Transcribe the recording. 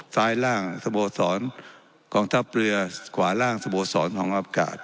ร่างสโมสรกองทัพเรือขวาล่างสโมสรของอากาศ